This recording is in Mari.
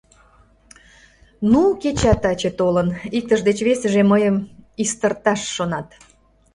Ну, кечат таче толын: иктыж деч весыже мыйым истырташ шонат...